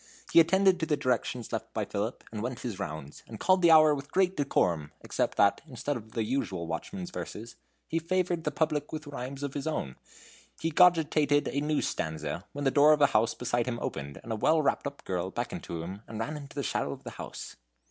He attended to the directions left by Philip, and went his rounds, and called the hour with great decorum, except that, instead of the usual watchman's verses, he favored the public with rhymes of his own. He was cogitating a new stanza, when the door of a house beside him opened, and a well wrapped up girl beckoned to him, and ran into the shadow of the house.